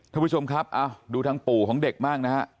ท่านผู้ชมครับดูทางปู่ของเด็กบ้างนะฮะ